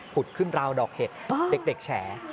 ขึ้นราวดอกเห็ดเด็กแฉ